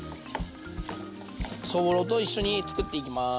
そぼろと一緒に作っていきます。